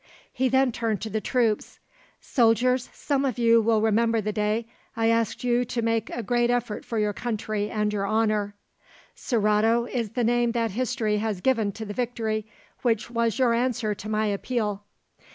He then turned to the troops: "Soldiers, some of you will remember the day I asked you to make a great effort for your country and your honour; Sorato is the name that history has given to the victory which was your answer to my appeal.